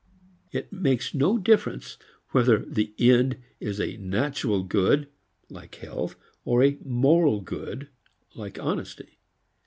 It makes no difference whether the "end" is "natural" good like health or a "moral" good like honesty.